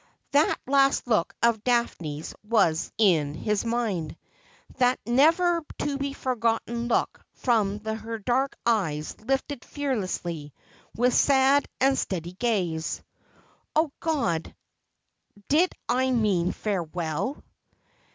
That last look of Daphne's was in his mind. That never to be forgotten look from her dark eyes lifted fearlessly, with sad and steady gaze. ' Oh God ! did it mean farewell